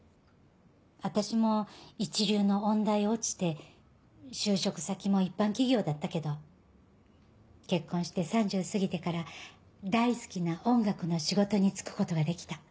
私も一流の音大落ちて就職先も一般企業だったけど結婚して３０過ぎてから大好きな音楽の仕事に就くことができた。